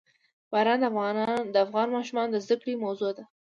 باران د افغان ماشومانو د زده کړې موضوع ده.